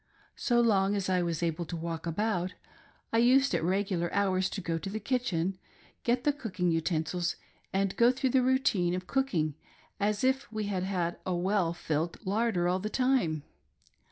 So long as I was able to walk about, I used at regular hours to go to the kitchen, get the cooking utensils, and go through the routine of cooking as if we had had a well filled larder all the time.